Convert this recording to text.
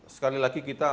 sekali lagi kita